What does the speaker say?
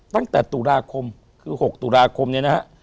ตั้งแต่ตุลาคมคือ๖ตุลาคมเนี่ยนะฮะ